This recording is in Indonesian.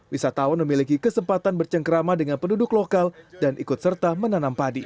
wisatawan memiliki kesempatan bercengkrama dengan penduduk lokal dan ikut serta menanam padi